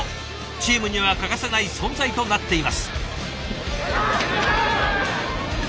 チームには欠かせない存在となっています。